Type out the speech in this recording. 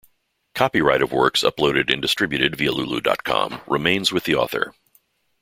Copyright of works uploaded and distributed via Lulu dot com remains with the author.